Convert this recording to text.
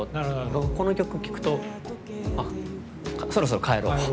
僕、この曲聴くとあ、そろそろ帰ろうと。